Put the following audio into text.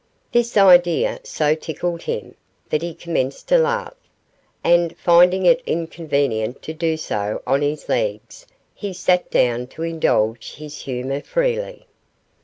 This idea so tickled him, that he commenced to laugh, and, finding it inconvenient to do so on his legs, he sat down to indulge his humour freely.